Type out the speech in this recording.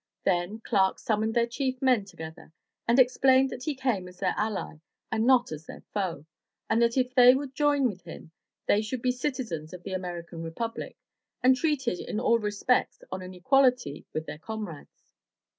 Then Clark summoned their chief men together and explained that he came as their ally, and not as their foe, and that if they would join with him they should be citizens of the American Republic, and treated in all respects on an equality with their comrades.